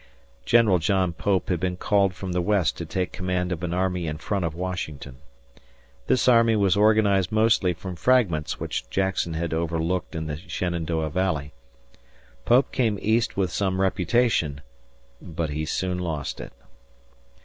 General John Pope had been called from the West to take command of an army in front of Washington. This army was organized mostly from fragments which Jackson had overlooked in the Shenandoah Valley. Pope came East with some reputation, but he soon lost it.